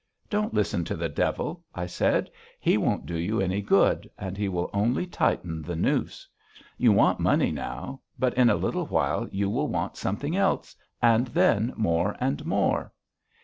Don't listen to the devil,' I said, 'he won't do you any good, and he will only tighten the noose. You want money now, but in a little while you will want something else, and then more and more.